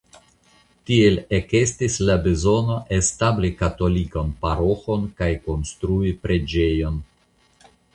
Tiel ekestis la bezono establi katolikan paroĥon kaj konstrui preĝejon.